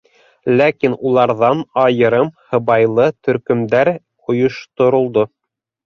Ләкин уларҙан айырым һыбайлы төркөмдәр ойошторолдо.